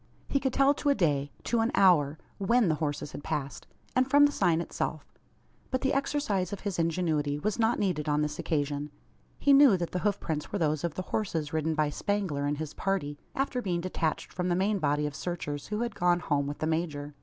He could tell to a day to an hour when the horses had passed; and from the sign itself. But the exercise of his ingenuity was not needed on this occasion. He knew that the hoof prints were those of the horses ridden by Spangler and his party after being detached from the main body of searchers who had gone home with the major.